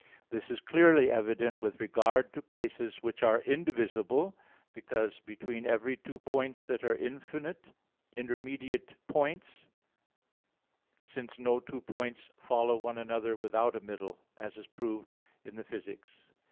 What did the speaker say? This is clearly evident with regard to places which are indivisible; because between every two points that are infinite intermediate points, since no two points follow one another without a middle, as is proved in Phys. vi, text.